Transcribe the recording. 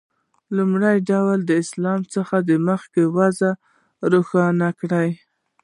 لومړۍ ډله دې د اسلام څخه مخکې وضع روښانه کړي.